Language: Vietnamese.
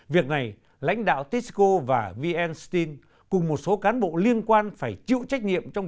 việc này lãnh đạo tysco và vn steel cùng một số cán bộ liên quan phải chịu trách nhiệm